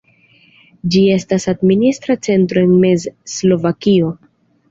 Ĝi estas administra centro en Mez-Slovakio.